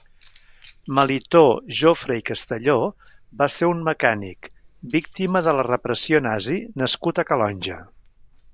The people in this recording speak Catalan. Melitó Jofre i Castelló va ser un mecànic, víctima de la repressió nazi nascut a Calonge.